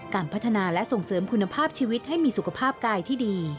การพัฒนาและส่งเสริมคุณภาพชีวิตให้มีสุขภาพกายที่ดี